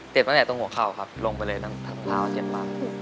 เจ็บตรงไหนตรงหัวเข่าครับลงไปเลยทั้งเท้าเย็นมาก